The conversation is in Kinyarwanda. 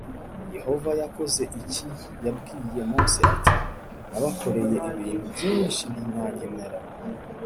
Yehova yakoze iki Yabwiye Mose ati nabakoreye ibintu byinshi ntimwanyemera